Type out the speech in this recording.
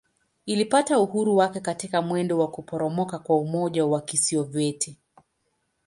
Ilipata uhuru wake katika mwendo wa kuporomoka kwa Umoja wa Kisovyeti.